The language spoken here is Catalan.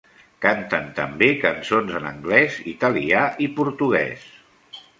Canten també cançons en anglès, italià i portuguès.